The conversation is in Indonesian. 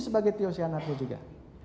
sebagai teosianato juga